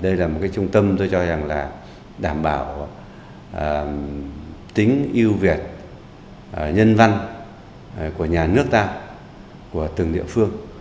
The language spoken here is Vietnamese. đây là một cái trung tâm tôi cho rằng là đảm bảo tính yêu việt nhân văn của nhà nước ta của từng địa phương